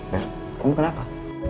belle kamu kenapa